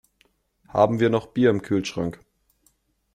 Haben wir noch Bier im Kühlschrank?